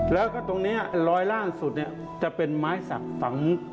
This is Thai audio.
แล้วก็ตรงนี้รอยล่าสุดจะเป็นไม้สักฝัง